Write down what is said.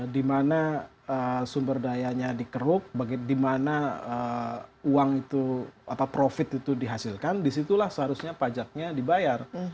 dimana sumber dayanya dikeruk dimana uang itu atau profit itu dihasilkan disitulah seharusnya pajaknya dibayar